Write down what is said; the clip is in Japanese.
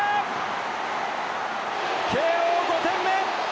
慶応、５点目！